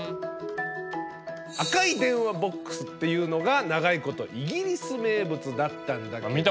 「赤い電話ボックス」っていうのが長いことイギリス名物だったんだけど。